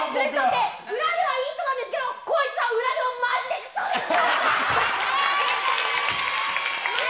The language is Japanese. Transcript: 裏ではいい人なんですけど、この人は裏でもまじでくそですから。